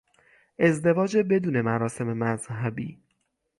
ازدواج بدون مراسم مذهبی